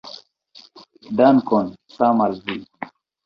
Dankon, same al vi!